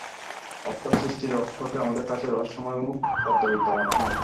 অর্থাৎ সৃষ্টির রহস্যকে আমাদের কাছে রহস্যময় ও পর্দাবৃত মনে হয়।